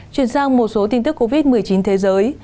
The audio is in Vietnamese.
chuyển sang một số tin tức covid một mươi chín thế giới